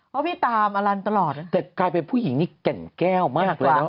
เพราะพี่ตามอลันตลอดแต่กลายเป็นผู้หญิงนี่แก่นแก้วมากแล้ว